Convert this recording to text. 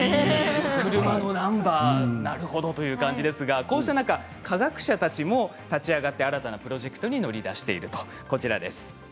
車のナンバー、なるほどということですがこうした中科学者たちも立ち上がって新たなプロジェクトに乗り出しています。